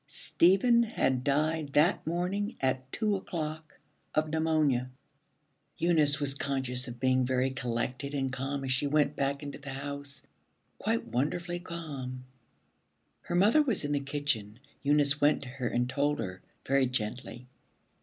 Stephen had died that morning at two o'clock of pneumonia. Eunice was conscious of being very collected and calm as she went back into the house; quite wonderfully calm. Her mother was in the kitchen. Eunice went to her and told her very gently.